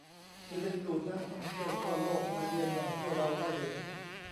ที่ดึงดูดนักท่องเที่ยวทั่วโลกมาเยือนอย่างที่เราได้เห็น